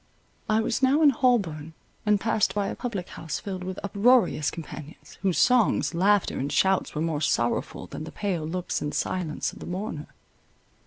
I was now in Holborn, and passed by a public house filled with uproarious companions, whose songs, laughter, and shouts were more sorrowful than the pale looks and silence of the mourner.